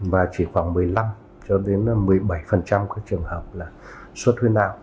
và chỉ khoảng một mươi năm một mươi bảy các trường hợp là suốt huyết não